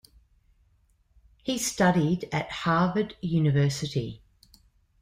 He studied at Harvard University.